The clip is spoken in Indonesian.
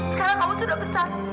sekarang kamu sudah besar